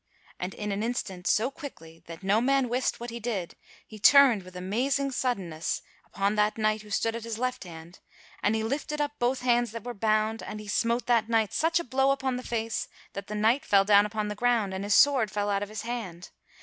And in an instant, so quickly that no man wist what he did, he turned with amazing suddenness upon that knight who stood at his left hand, and he lifted up both hands that were bound, and he smote that knight such a blow upon the face that the knight fell down upon the ground and his sword fell out of his hand.